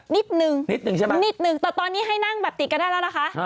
นิดนึงนิดนึงใช่ไหมนิดนึงแต่ตอนนี้ให้นั่งแบบติดกันได้แล้วนะคะ